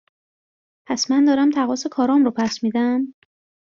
پس من دارم تقاص کارام رو پس می دم؟